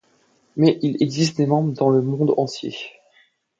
Mais il existe des membres dans le monde entier.